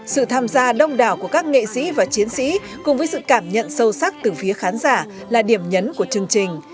sự tham gia đông đảo của các nghệ sĩ và chiến sĩ cùng với sự cảm nhận sâu sắc từ phía khán giả là điểm nhấn của chương trình